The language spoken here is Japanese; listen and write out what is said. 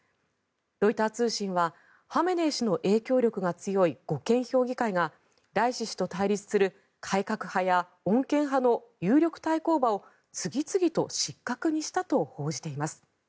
ロイター通信はハメネイ師の影響力が強い護憲評議会がライシ師と対立する改革派や穏健派の有力対抗馬を次々と失格にしたと報じています。